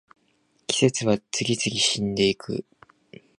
季節は次々死んでいく